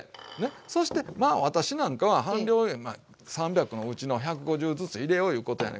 そして私なんかは半量３００のうちの１５０ずつ入れよういうことやねんけど。